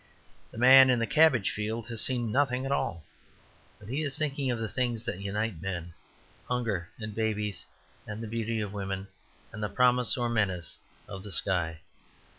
The man in the cabbage field has seen nothing at all; but he is thinking of the things that unite men hunger and babies, and the beauty of women, and the promise or menace of the sky.